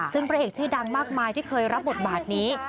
ซึ่งพระเอกชื่อดังมากมายที่เคยรับบทบาทนี้